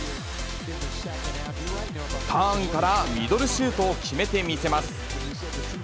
ターンからミドルシュートを決めてみせます。